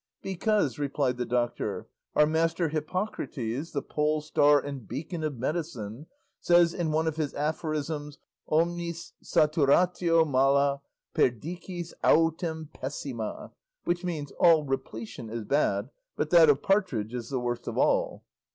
"Because," replied the doctor, "our master Hippocrates, the polestar and beacon of medicine, says in one of his aphorisms omnis saturatio mala, perdicis autem pessima, which means 'all repletion is bad, but that of partridge is the worst of all."